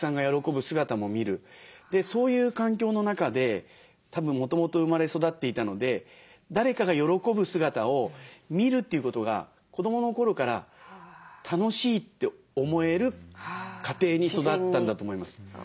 そういう環境の中でたぶんもともと生まれ育っていたので誰かが喜ぶ姿を見るということが子どもの頃から楽しいって思える家庭に育ったんだと思います。